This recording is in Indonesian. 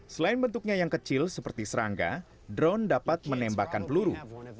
selain bentuknya yang kecil seperti serangga drone dapat menembakkan peluru